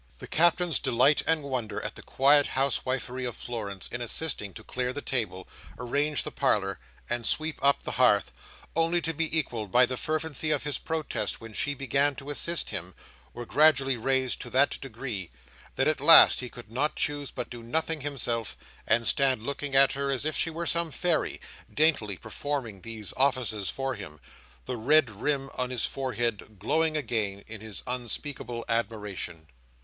The Captain's delight and wonder at the quiet housewifery of Florence in assisting to clear the table, arrange the parlour, and sweep up the hearth—only to be equalled by the fervency of his protest when she began to assist him—were gradually raised to that degree, that at last he could not choose but do nothing himself, and stand looking at her as if she were some Fairy, daintily performing these offices for him; the red rim on his forehead glowing again, in his unspeakable admiration.